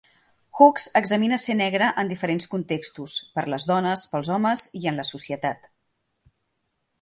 Hooks examina ser negre en diferents contextos: per les dones, pels homes i en la societat.